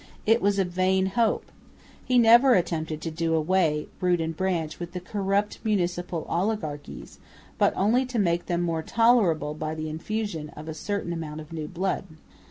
It was a vain hope. He never attempted to do away, root and branch, with the corrupt municipal oligarchies, but only to make them more tolerable by the infusion of a certain amount of new blood.